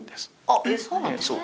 あっそうなんですか？